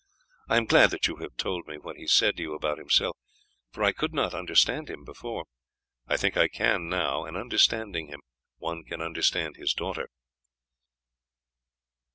I am glad that you have told me what he said to you about himself, for I could not understand him before. I think I can now, and understanding him one can understand his daughter."